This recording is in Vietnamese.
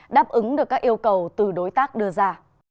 đáp ứng được các yêu cầu từ đối tác quốc tế